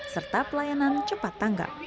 serta pelayanan cepat tangga